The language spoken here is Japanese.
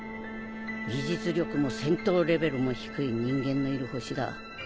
技術力も戦闘レベルも低い人間のいる星だ。